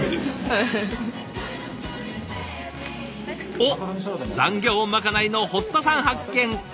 おっ残業まかないの堀田さん発見！